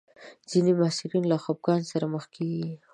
ځینې محصلین له خپګان سره مخ کېږي.